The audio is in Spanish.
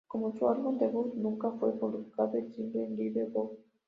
Como su álbum debut nunca fue publicado, el single "Like Wow!